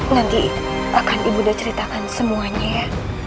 nanti akan ibu udah ceritakan semuanya ya